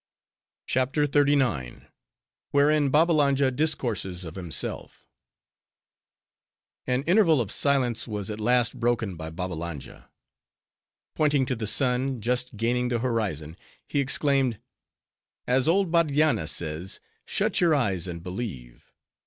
CHAPTER XXXIX. Wherein Babbalanja Discourses Of Himself An interval of silence was at last broken by Babbalanja. Pointing to the sun, just gaining the horizon, he exclaimed, "As old Bardianna says—shut your eyes, and believe."